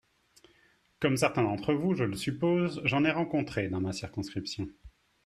Comme certains d’entre vous je le suppose, j’en ai rencontré dans ma circonscription.